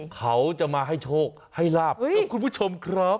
เขาจะมาให้โชคให้ลาบกับคุณผู้ชมครับ